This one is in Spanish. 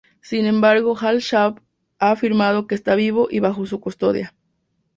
Sin embargo, Al-Shabaab ha afirmado que está vivo y bajo su custodia.